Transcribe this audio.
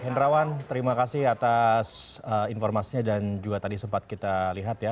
hendrawan terima kasih atas informasinya dan juga tadi sempat kita lihat ya